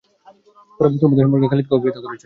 তারা মুসলমানদের সম্পর্কে খালিদকে অবহিত করছিল।